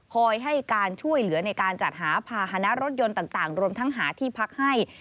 ให้การช่วยเหลือในการจัดหาภาษณะรถยนต์ต่างรวมทั้งหาที่พักให้